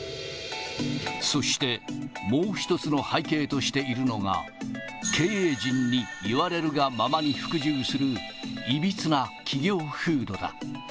そして、もう１つの背景としているのが、経営陣に言われるがままに服従する、いびつな企業風土だ。